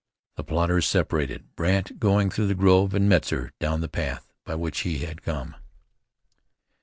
The plotters separated, Brandt going through the grove, and Metzar down the path by which he had come.